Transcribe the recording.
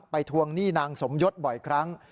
ทวงหนี้นางสมยศบ่อยครั้ง